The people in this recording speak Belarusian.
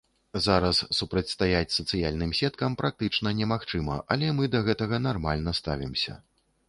Зараз супрацьстаяць сацыяльным сеткам практычна немагчыма, але мы да гэтага нармальна ставімся.